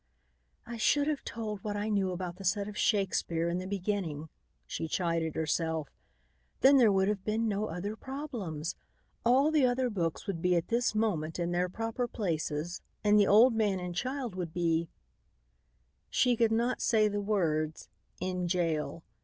"I should have told what I knew about the set of Shakespeare in the beginning," she chided herself. "Then there would have been no other problems. All the other books would be at this moment in their proper places and the old man and child would be " She could not say the words, "in jail."